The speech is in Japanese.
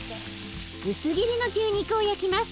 薄切りの牛肉を焼きます。